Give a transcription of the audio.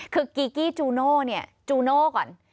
คือกีกี้จูโน่เนี่ยจูโน่ก่อน